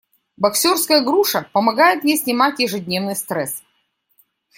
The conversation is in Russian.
Боксёрская груша помогает мне снимать ежедневный стресс.